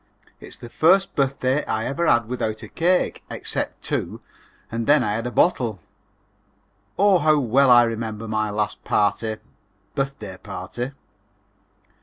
It's the first birthday I ever had without a cake except two and then I had a bottle. Oh, how well I remember my last party (birthday party)!